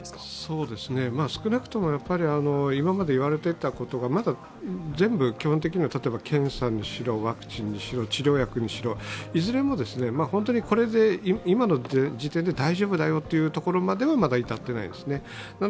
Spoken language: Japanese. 少なくとも今まで言われていたことが、検査にしろワクチンにしろ治療薬にしろ、いずれも本当にこれで今の時点で大丈夫だよというところまではまだ至っていないですね。